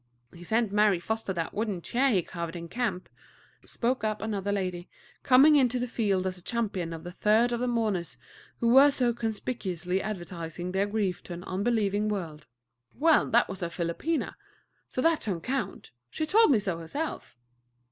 "He sent Mary Foster that wooden chair he carved in camp," spoke up another lady, coming into the field as a champion of the third of the mourners who were so conspicuously advertising their grief to an unbelieving world. "Well, that was a philopena; so that don't count. She told me so herself."